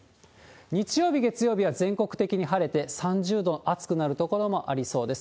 日曜日、月曜日は全国的に晴れて、３０度、暑くなる所もあるありそうです。